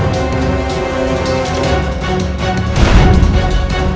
tapi jangan pernah sakiti putraku walang susah